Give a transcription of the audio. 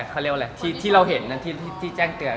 เขาเรียกว่าอะไรที่เราเห็นที่แจ้งเตือน